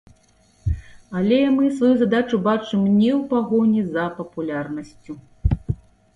Але мы сваю задачу бачым не ў пагоні за папулярнасцю.